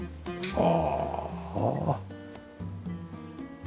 ああ。